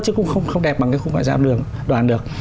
chứ cũng không đẹp bằng cái khu ngoại giao đoàn được